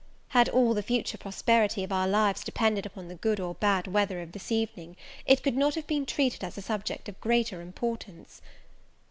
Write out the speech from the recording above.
Had all the future prosperity of our lives depended upon the good or bad weather of this evening, it could not have been treated as a subject of greater importance.